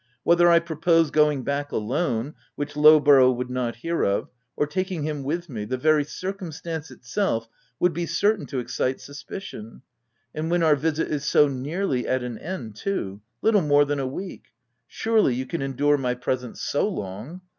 Whether I pro posed going back alone— which Lowborough would not hear of — or taking him with me, the very circumstance itself, would be certain to excite suspicion — and when our visit is so nearly at an end too — little more than a week — surely, you can endure my presence so long